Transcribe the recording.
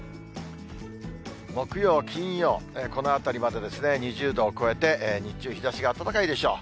木曜、金曜、このあたりまで２０度を超えて、日中、日ざしが暖かいでしょう。